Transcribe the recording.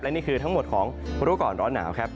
และนี่คือทั้งหมดของวันตัวก่อนร้อนหนาวครับ